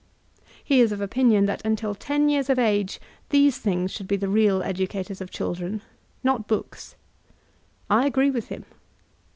He is of opinion that until ten years of age, these things should be the real educators of children, — ^not books. I agree with him.